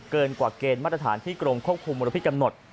เกินกว่าเกณฑ์มาตรฐานที่กรมควบคุมมลพิษกำหนด